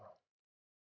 baru masalah papa